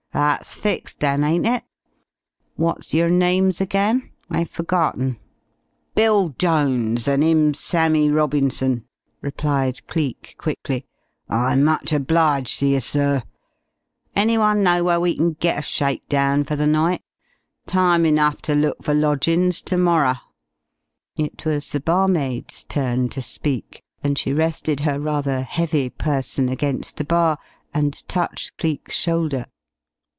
That's fixed, then, ain't it? What's yer names again? I've forgotten." "Bill Jones, an' 'im's Sammie Robinson," replied Cleek quickly. "I'm much obliged to yer, sir. Any one know where we kin get a shake down for the night? Time enough ter look for lodgin's termorrer." It was the barmaid's turn to speak, and she rested her rather heavy person against the bar and touched Cleek's shoulder.